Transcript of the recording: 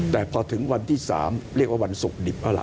แต่พอถึงวันที่๓เรียกว่าวันศุกร์ดิบแล้วล่ะ